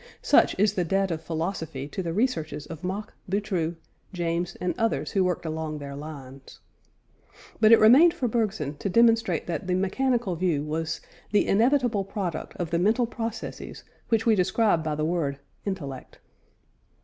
Such is the debt of philosophy to the researches of Mach, Boutroux, James, and others who worked along their lines. But it remained for Bergson to demonstrate that the mechanical view was _the inevitable product of the mental processes which we describe by the word "intellect."